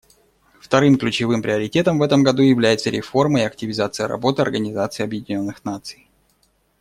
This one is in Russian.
Вторым ключевым приоритетом в этом году являются реформа и активизация работы Организации Объединенных Наций.